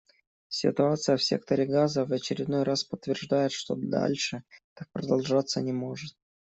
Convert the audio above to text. Ситуация в секторе Газа в очередной раз подтверждает, что дальше так продолжаться не может.